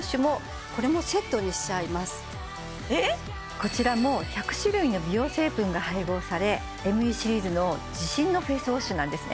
こちらも１００種類の美容成分が配合されＭＥシリーズの自信のフェイスウォッシュなんですね